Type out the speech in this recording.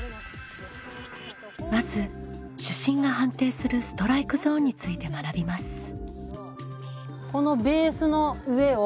まず主審が判定するストライクゾーンについて学びます。